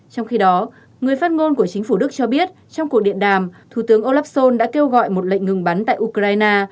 trong khi đó người phát ngôn của chính phủ đức cho biết trong cuộc điện đàm thủ tướng olaf schol đã kêu gọi một lệnh ngừng bắn tại ukraine